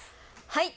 はい。